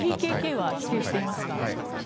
ＰＫＫは否定していますが。